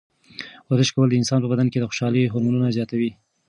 ورزش کول د انسان په بدن کې د خوشحالۍ هورمونونه زیاتوي.